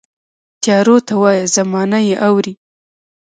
تیارو ته وایه، زمانه یې اورې